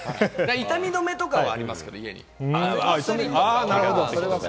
痛み止めとかはありますよ、家に。